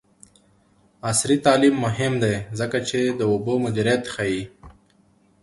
عصري تعلیم مهم دی ځکه چې د اوبو مدیریت ښيي.